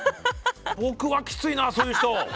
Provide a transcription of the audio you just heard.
僕はきついなそういう人。